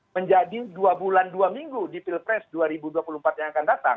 menjadi dua bulan dua minggu di pilpres dua ribu dua puluh empat yang akan datang